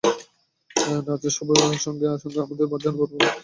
নাচের সঙ্গে সঙ্গে আমরা যেন বারবার আমাদের সবুজ শ্যামল বাংলায় ফিরে যাচ্ছিলাম।